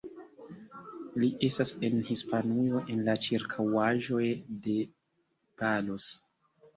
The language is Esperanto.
Li estas en Hispanujo, en la ĉirkaŭaĵoj de Palos.